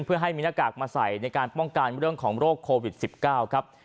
เพื่อให้มีหน้ากากมาใส่ในการป้องกันเรื่องของโรคโควิด๑๙ครับ